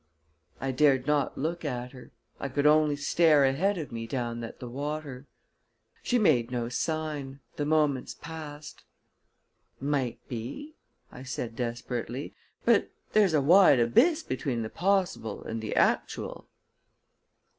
I dared not look at her; I could only stare ahead of me down at the water. She made no sign; the moments passed. "Might be," I said desperately. "But there's a wide abyss between the possible and the actual."